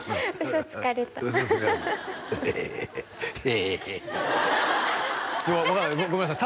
嘘つかれた分かんないごめんなさい